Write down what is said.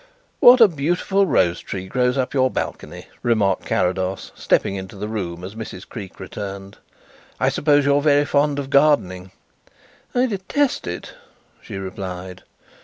"What a beautiful rose tree grows up your balcony," remarked Carrados, stepping into the room as Mrs. Creake returned. "I suppose you are very fond of gardening?" "I detest it," she replied.